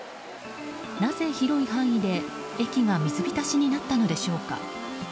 なぜ広い範囲で駅が水浸しになったのでしょうか。